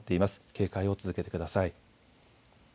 警戒を続けてください。